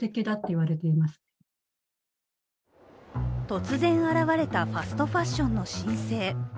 突然現れたファストファッションの新星。